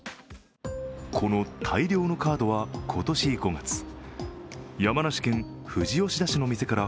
この大量のカードは、今年５月、山梨県富士吉田市の店から